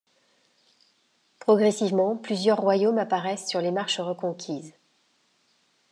Progressivement, plusieurs royaumes apparaissent sur les marches reconquises.